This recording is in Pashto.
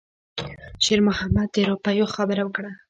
شېرمحمد د روپیو خبره وکړه.